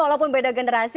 walaupun beda generasi